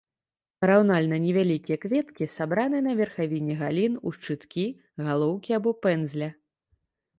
Параўнальна невялікія кветкі сабраны на верхавіне галін ў шчыткі, галоўкі або пэндзля.